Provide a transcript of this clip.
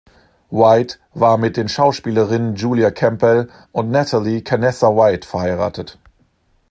White war mit den Schauspielerinnen Julia Campbell und Nathalie Canessa-White verheiratet.